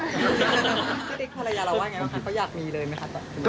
พี่เด็กภรรยาเราว่าไงบ้างคะเขาอยากมีเลยมั้ยครับ